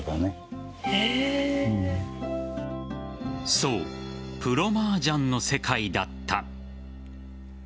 そう、プロ麻雀の世界だった。